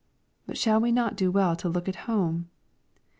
But shall we no*; do well to look at home